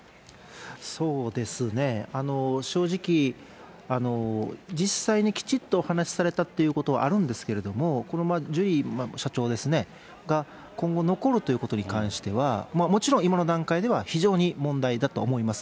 そうですね、正直、実際にきちっとお話されたということはあるんですけれども、このジュリー社長が今後、残るということに関しては、もちろん今の段階では非常に問題だと思います。